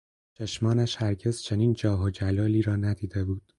چشمانش هرگز چنین جاه و جلالی را ندیده بود.